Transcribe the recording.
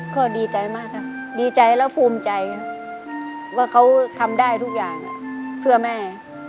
ก็ดีใจมากครับดีใจและภูมิใจครับว่าเขาทำได้ทุกอย่างเพื่อแม่